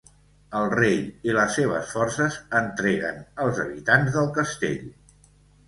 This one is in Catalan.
El rei i les seves forces entreguen els habitants del castell.